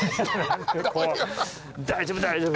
「大丈夫大丈夫！」